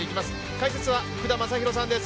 解説は、福田正博さんです。